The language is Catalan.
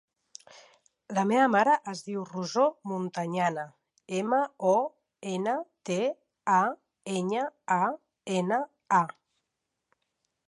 La meva mare es diu Rosó Montañana: ema, o, ena, te, a, enya, a, ena, a.